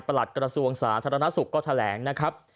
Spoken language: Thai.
หลัดกระทรวงสาธารณสุขก็แถลงนะครับ